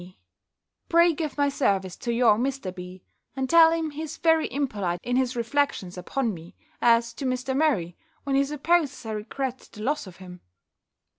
B., Pray give my service to your Mr. B. and tell him he is very impolite in his reflections upon me, as to Mr. Murray, when he supposes I regret the loss of him.